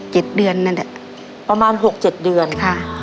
เดือนนั่นแหละประมาณหกเจ็ดเดือนค่ะ